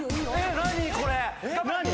何これ⁉